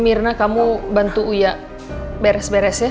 mirna kamu bantu uya beres beres ya